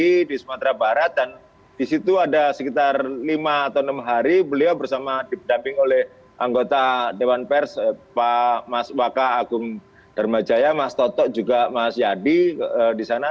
di sumatera barat dan di situ ada sekitar lima atau enam hari beliau bersama dipedamping oleh anggota dewan pers pak mas waka agung dharmajaya mas toto juga mas yadi di sana